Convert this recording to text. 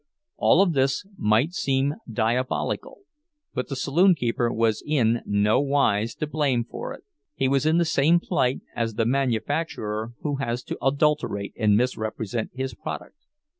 All of this might seem diabolical, but the saloon keeper was in no wise to blame for it. He was in the same plight as the manufacturer who has to adulterate and misrepresent his product.